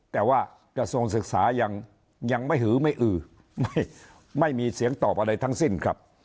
แต่ว่ากระทรวงศึกษายังไม่หือไม่อือไม่มีเสียงตอบอะไรทั้งสิ้นครับ